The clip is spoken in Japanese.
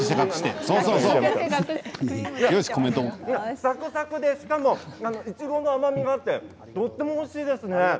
サクサクでしかもいちごの甘みもあってとてもおいしいですね。